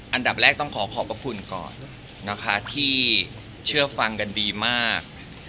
อันดับแรกต้องขอขอบพระคุณก่อนนะคะที่เชื่อฟังกันดีมาก